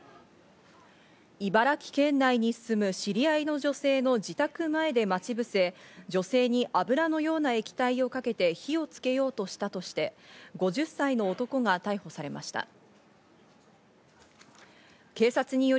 茨城県内に住む知り合いの女性の自宅前で待ち伏せ、女性に油のような液体をかけて火をつけようとしたとして５０歳の男が逮捕されました。